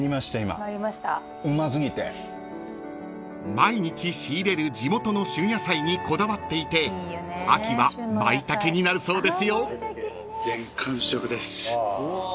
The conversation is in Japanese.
［毎日仕入れる地元の旬野菜にこだわっていて秋はマイタケになるそうですよ］